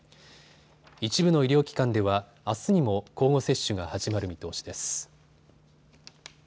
一部の医療機関では、あすにも交互接種が始まる見通しです。